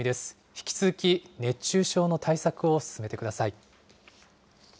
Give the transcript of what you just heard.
引き続き熱中症の対策を進めてください。